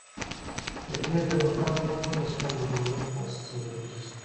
په دې طبقه هم دولس ټنه رولر لس ځله ګرځي